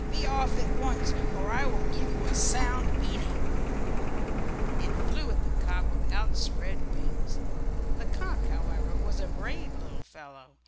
Be off at once or I will give you a sound beating." It flew at the cock with outspread wings. The cock, however, was a brave little fellow.